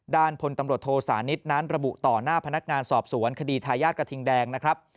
พลตำรวจโทสานิทนั้นระบุต่อหน้าพนักงานสอบสวนคดีทายาทกระทิงแดงนะครับ